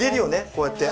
こうやって。